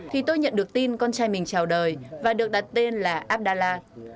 thì tôi nhận được tin con trai mình chào đời và được đặt tên là abdelaziz